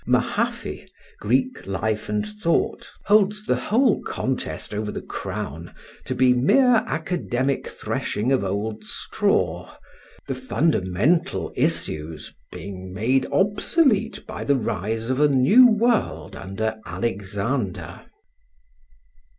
Mahaffy ('Greek Life and Thought') holds the whole contest over the crown to be mere academic threshing of old straw, the fundamental issues being obsolete by the rise of a new world under Alexander.